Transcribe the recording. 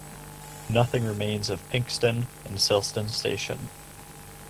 Nothing remains of Pinxton and Selston station.